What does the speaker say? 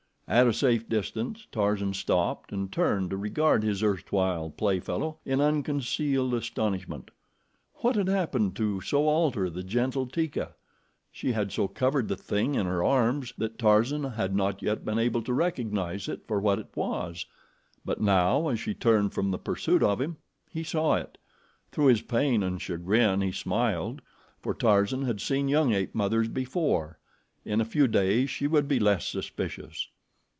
At a safe distance Tarzan stopped and turned to regard his erstwhile play fellow in unconcealed astonishment. What had happened to so alter the gentle Teeka? She had so covered the thing in her arms that Tarzan had not yet been able to recognize it for what it was; but now, as she turned from the pursuit of him, he saw it. Through his pain and chagrin he smiled, for Tarzan had seen young ape mothers before. In a few days she would be less suspicious.